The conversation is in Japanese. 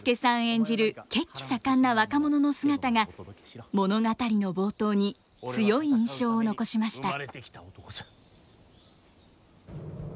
演じる血気盛んな若者の姿が物語の冒頭に強い印象を残しました。